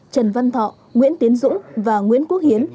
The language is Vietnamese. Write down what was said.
trần văn thọ nguyễn tiến dũng và nguyễn quốc hiến